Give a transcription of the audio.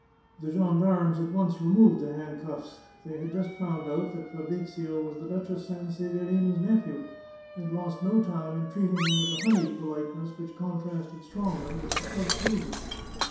The gendarmes at once removed the handcuffs. They had just found out that Fabrizio was the Duchess Sanse verina's nephew, and lost no time in treating him with a honeyed politeness which contrasted strongly with the clerk's rudeness.